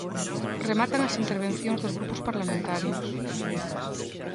Rematan as intervencións dos grupos parlamentarios.